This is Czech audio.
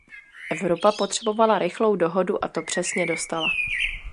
Evropa potřebovala rychlou dohodu a to přesně dostala.